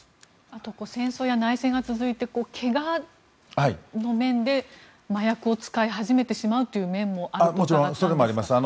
あと、戦争や内戦が続いて怪我の面で麻薬を使い始めてしまうという面もあるのかなと思いますが。